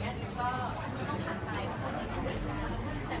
มันเป็นภาษาไทยก็ไม่ได้จัดการ